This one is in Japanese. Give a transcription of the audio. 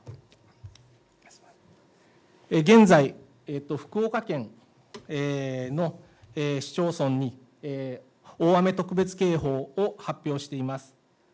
現在、福岡県の市町村に大雨特別警報を発表しています。